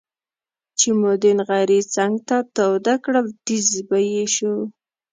چې مو د نغري څنګ ته توده کړه تيزززز به یې شو.